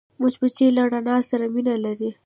مچمچۍ له رڼا سره مینه لري